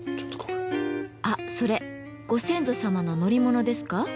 あっそれご先祖様の乗り物ですか？